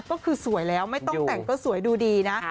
ก็คือสวยแล้วไม่ต้องแต่งก็สวยดูดีนะ